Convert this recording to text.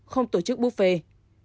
không tổ chức buffet